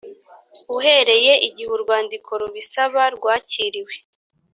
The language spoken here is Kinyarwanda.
uhereye igihe urwandiko rubisaba rwakiriwe